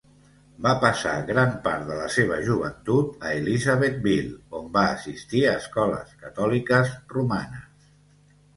Va passar gran part de la seva joventut a Elizabethville, on va assistir a escoles catòliques romanes.